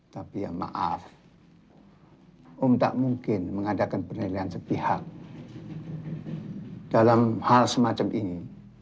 tapi ya maaf om tak mungkin mengadakan penilaian sepihak dalam hal semacam ini